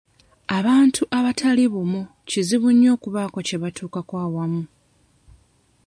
Abantu abatali bumu kizibu nnyo okubaako kye batuukako awamu.